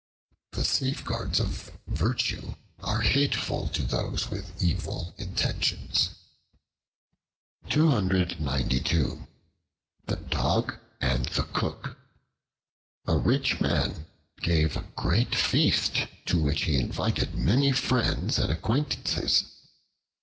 The safeguards of virtue are hateful to those with evil intentions. The Dog and the Cook A RICH MAN gave a great feast, to which he invited many friends and acquaintances.